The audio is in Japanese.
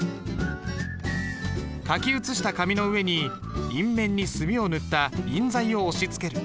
書き写した紙の上に印面に墨を塗った印材を押しつける。